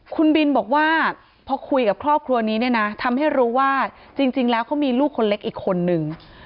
คุณบินบอกว่าพอคุยกับครอบครัวนี้เนี่ยนะทำให้รู้ว่าจริงแล้วเขามีลูกคนเล็กอีกคนนึง